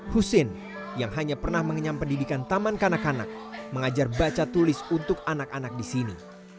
husin yang hanya pernah mengenyam pendidikan taman kanak kanak mengajar baca tulis untuk anak anak di sini